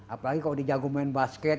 apalagi kalau di jagung main basket